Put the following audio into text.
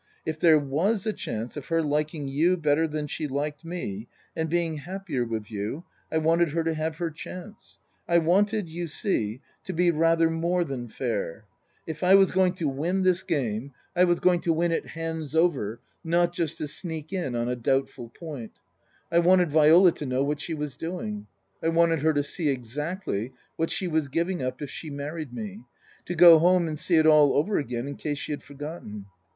If there was a chance of her liking you better than she liked me, and being happier with you, I wanted her to have her chance. I wanted, you see, to be rather more than fair. If I was going to win this Book I : My Book 109 game I was going to win it hands over, not just to sneak in on a doubtful point. I wanted Viola to know what she was doing. I wanted her to see exactly what she was giving up if she married me to go home and see it all over again in case she had forgotten.